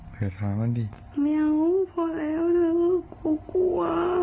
พอแล้วแล้วนะหัว